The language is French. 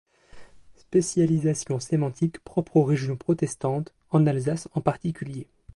Spécialisation sémantique propre aux régions protestantes, en Alsace en particulier.